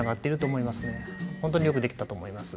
本当によくできたと思います。